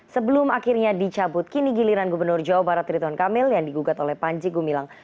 sebelum akhirnya dicabut kini giliran gubernur jawa barat rituan kamil yang digugat oleh panji gumilang